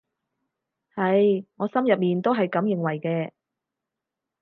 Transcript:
係，我心入面都係噉認為嘅